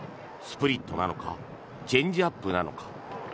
スプリットなのかチェンジアップなのか。